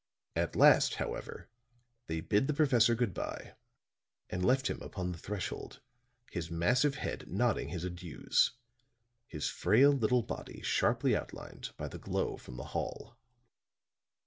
At last, however, they bid the Professor good by, and left him upon the threshold, his massive head nodding his adieus, his frail little body sharply outlined by the glow from the hall.